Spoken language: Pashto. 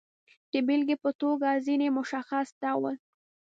د بېلګې په توګه، ځینې مشخص ډول